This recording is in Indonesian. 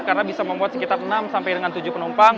karena bisa membuat sekitar enam sampai dengan tujuh penumpang